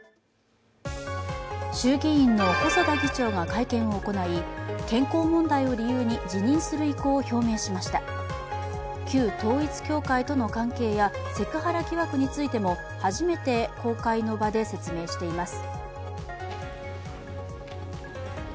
衆議院の細田議長が会見を行い健康問題を理由に辞任する意向を表明しました旧統一教会との関係やセクハラ疑惑についても初めて公開の場で説明しています。